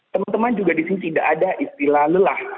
teman teman juga di sini tidak ada istilah lelah